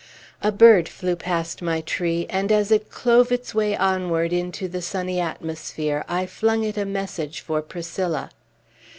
A bird flew past my tree; and, as it clove its way onward into the sunny atmosphere, I flung it a message for Priscilla.